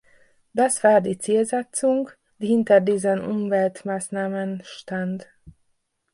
Das war die Zielsetzung, die hinter diesen Umweltmaßnahmen stand.